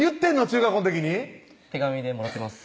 中学校の時に手紙でもらってます